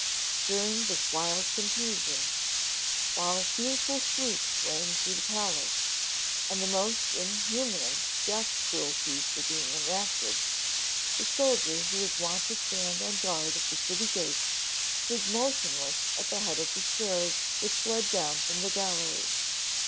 During this wild confusion, while fearful shrieks rang through the palace, and the most inhuman death cruelties were being enacted, the soldier who was wont to stand on guard at the city gate stood motionless at the head of the stairs which led down from the gallery.